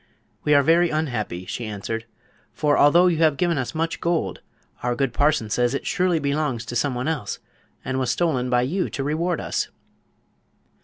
"We are very unhappy," she answered; "for, although you have given us much gold, our good parson says it surely belongs to some one else, and was stolen by you to reward us."